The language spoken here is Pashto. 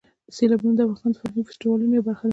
سیلابونه د افغانستان د فرهنګي فستیوالونو یوه برخه ده.